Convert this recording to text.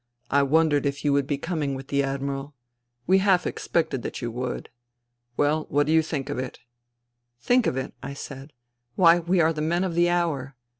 " I wondered if you would be coming with the Admiral. We half expected that you would. Well, what do you think of it ?"" Think of it !" I said. " Why, we are the men of the hour.